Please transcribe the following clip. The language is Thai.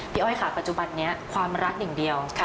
อ้อยค่ะปัจจุบันนี้ความรักอย่างเดียว